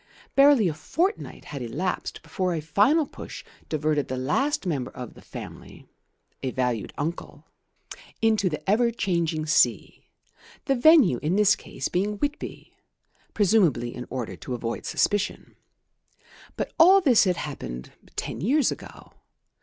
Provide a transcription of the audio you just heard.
Barely a fortnight had elapsed before a final push diverted the last member of the family (a valued uncle) into the ever changing sea, the venue in this case being Whitby, presumably in order to avoid suspicion. But all this had happened ten years ago.